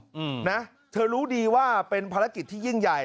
อืมนะเธอรู้ดีว่าเป็นภารกิจที่ยิ่งใหญ่